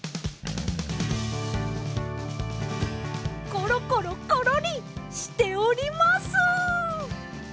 コロコロコロリしております！